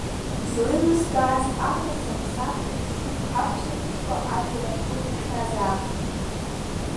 Излеилыскааз ала сара саԥхьа ԥшьҩык аҳәсахәыҷқәа ажәа руҭахьазаап.